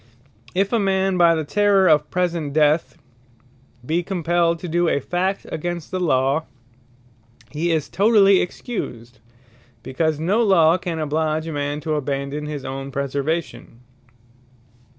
If a man by the terrour of present death, be compelled to doe a fact against the Law, he is totally Excused; because no Law can oblige a man to abandon his own preservation.